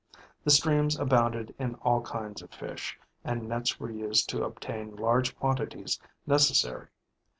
The streams abounded in all kinds of fish, and nets were used to obtain large quantities necessary.